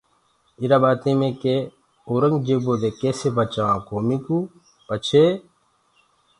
ايٚرآ ٻآتيٚ مي ڪي اورنٚگجيبو دي ڪيسي بچآوآنٚ ڪوميٚ ڪو پڇي